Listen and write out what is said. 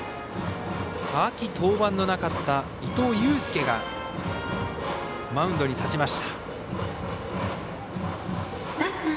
秋、登板のなかった伊藤祐輔がマウンドに立ちました。